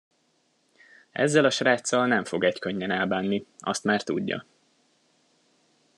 Ezzel a sráccal nem fog egykönnyen elbánni, azt már tudja.